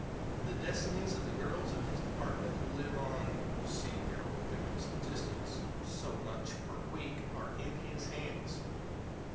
The destinies of the girls in his department who live on (see Bureau of Victual Statistics) so much per week are in his hands.